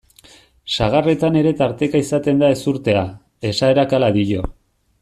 Sagarretan ere tarteka izaten da ezurtea, esaerak hala dio.